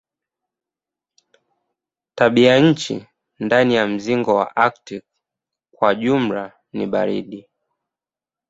Tabianchi ndani ya mzingo aktiki kwa jumla ni baridi.